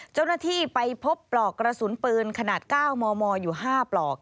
เจ้าหน้าที่ไปพบปลอกกระสุนปืนขนาด๙มมอยู่๕ปลอก